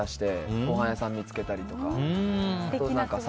ごはん屋さん見つけたりとか。